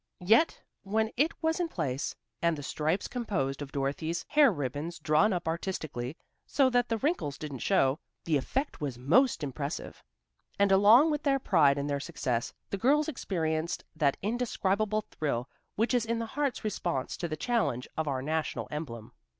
Yet when it was in place, with the stripes composed of Dorothy's hair ribbons drawn up artistically, so that the wrinkles didn't show, the effect was most impressive. And along with their pride in their success, the girls experienced that indescribable thrill which is the heart's response to the challenge of our national emblem.